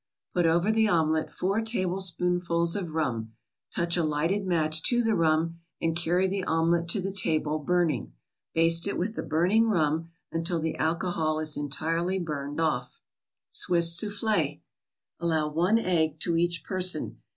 Put over the omelet four tablespoonfuls of rum; touch a lighted match to the rum, and carry the omelet to the table, burning. Baste it with the burning rum until the alcohol is entirely burned off. SWISS SOUFFLE Allow one egg to each person.